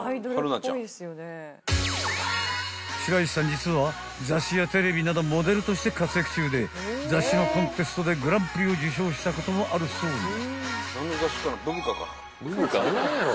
実は雑誌やテレビなどモデルとして活躍中で雑誌のコンテストでグランプリを受賞したこともあるそうな］